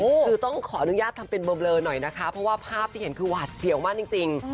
คือต้องขออนุญาตทำเป็นเบลอหน่อยนะคะเพราะว่าภาพที่เห็นคือหวาดเสียวมากจริง